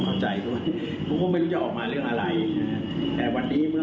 ครับ